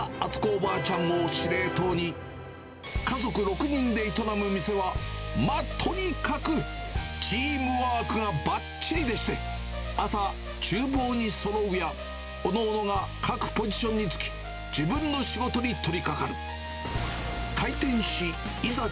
おばあちゃんを司令塔に、家族６人で営む店は、まあ、とにかくチームワークがばっちりでして、朝、ちゅう房にそろうや、各々が各ポジションにつき、自分の仕事に取りかかる。